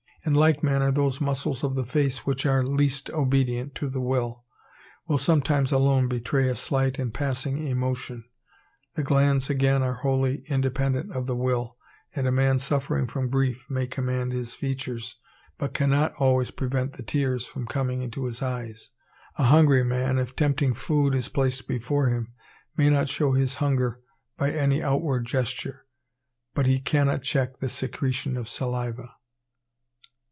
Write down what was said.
In like manner those muscles of the face which are least obedient to the will, will sometimes alone betray a slight and passing emotion. The glands again are wholly independent of the will, and a man suffering from grief may command his features, but cannot always prevent the tears from coming into his eyes. A hungry man, if tempting food is placed before him, may not show his hunger by any outward gesture, but he cannot check the secretion of saliva.